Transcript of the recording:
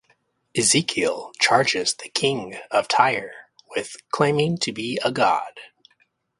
Ezekiel charges the king of Tyre with claiming to be a god.